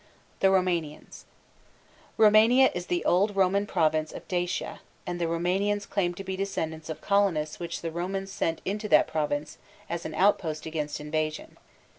THE ROUMANIANS. Roumania is the old Roman province of Dacia, and the Roumanians claim to be descendants of colonists which the Romans sent into that province as an outpost against invasion.